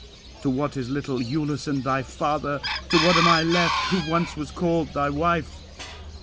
To what is little Iülus and thy father, to what am I left who once was called thy wife?"